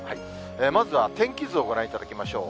まずは天気図をご覧いただきましょう。